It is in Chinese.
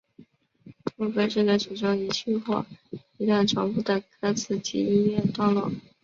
副歌是歌曲中一句或一段重复的歌词及音乐段落。